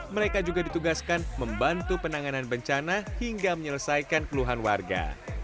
mereka juga ditugaskan membantu penanganan bencana hingga menyelesaikan keluhan warga